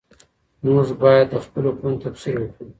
موږ باید د خپلو کړنو تفسیر وکړو.